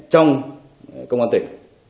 trong công an tỉnh